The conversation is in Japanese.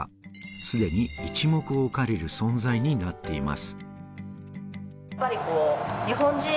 すでに一目置かれる存在になっています。